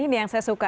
ini yang saya suka